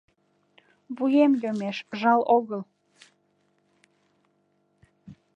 Вуем йомеш, жал огыл